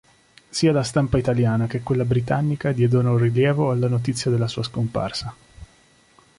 Sia la stampa italiana che quella britannica diedero rilievo alla notizia della sua scomparsa.